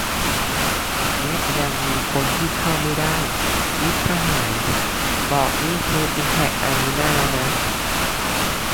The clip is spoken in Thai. และยังมีคนที่เข้าไม่ได้ - มิตรสหายบอกนี่อิมแพคอารีนาแล้วนะ